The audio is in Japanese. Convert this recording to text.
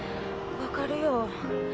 分かるよ